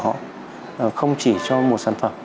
không chỉ cho một sản phẩm không chỉ cho một sản phẩm